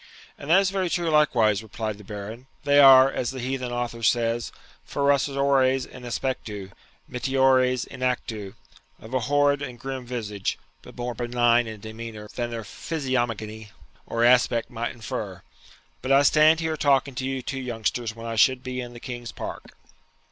'And that is very true likewise,' replied the Baron; 'they are, as the heathen author says, ferociores in aspectu, mitiores in actu, of a horrid and grim visage, but more benign in demeanour than their physiognomy or aspect might infer. But I stand here talking to you two youngsters when I should be in the King's Park.'